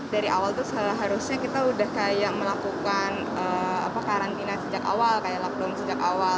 dari awal tuh seharusnya kita udah kayak melakukan karantina sejak awal kayak lockdown sejak awal